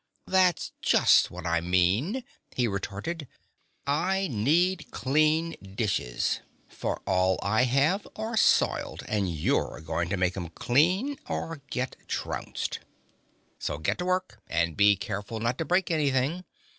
"That's just what I mean," he retorted. "I need clean dishes, for all I have are soiled, and you're going to make 'em clean or get trounced. So get to work and be careful not to break anything.